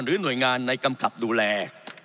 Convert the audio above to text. หน่วยงานในกำกับดูแล